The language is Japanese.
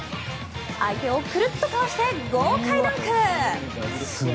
相手をくるっとかわして豪快ダンク！